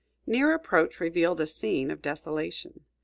Near approach revealed a scene of desolation.